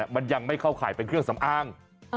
มันยังไม่เข้าข่ายเป็นเครื่องสำอาง